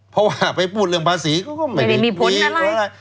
เพราะว่าไปพูดเรื่องภาษีก็ไม่มีผลก็ได้